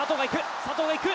佐藤がいく。